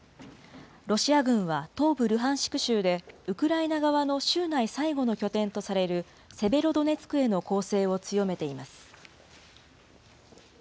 ロシア軍は東部ルハンシク州でウクライナ側の州内最後の拠点とされる、セベロドネツクへの攻勢を強めています。